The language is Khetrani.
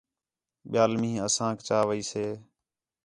ٻِیال مینہ آسانک چا ویسے